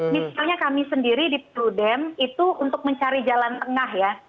misalnya kami sendiri di prudem itu untuk mencari jalan tengah ya